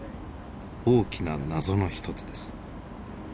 大きな謎の一つです。